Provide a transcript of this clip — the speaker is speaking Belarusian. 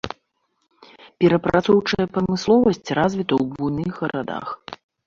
Перапрацоўчая прамысловасць развіта ў буйных гарадах.